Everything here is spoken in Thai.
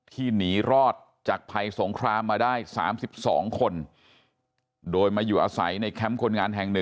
หนีรอดจากภัยสงครามมาได้๓๒คนโดยมาอยู่อาศัยในแคมป์คนงานแห่ง๑